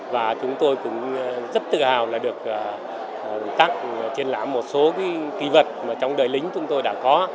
và chúng tôi cũng rất tự hào là được tặng triển lãm một số kỳ vật mà trong đời lính chúng tôi đã có